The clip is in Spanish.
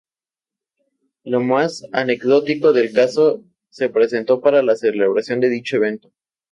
Lo más anecdótico del caso se presentó para la celebración de dicho evento.